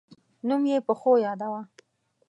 نوم یې په ښو یاداوه.